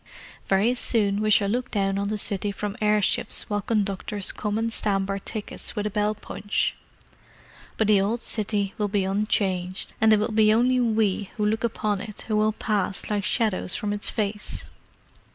Very soon we shall look down on the City from airships while conductors come and stamp our tickets with a bell punch: but the old City will be unchanged, and it will be only we who look upon it who will pass like shadows from its face.